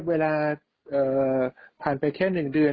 เวลาผ่านไปแค่๑เดือน